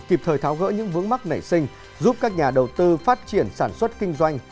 kịp thời tháo gỡ những vướng mắc nảy sinh giúp các nhà đầu tư phát triển sản xuất kinh doanh